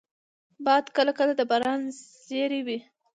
باد کله کله د باران زېری وي